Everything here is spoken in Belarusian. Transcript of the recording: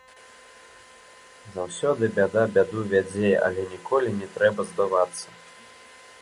Заўсёды бяда бяду вядзе, але ніколі не трэба здавацца.